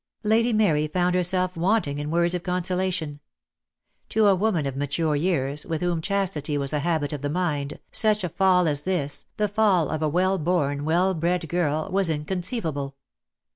Lady Mary found herself wanting in words of consolation. To a woman of mature years, with whom chastity was a habit of the mind, such a fall as this, the fall of a well born, well bred girl, was inconceivable.